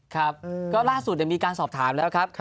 ครับก็ล่าสุดมีการสอบถามแล้วครับ